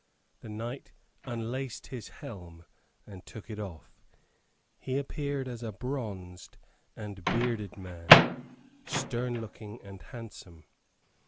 The knight unlaced his helm and took it off. He appeared as a bronzed and bearded man, stern looking and handsome.